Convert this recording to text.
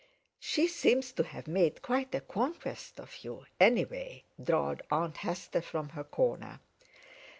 "She seems to have made quite a conquest of you, any way," drawled Aunt Hester from her corner.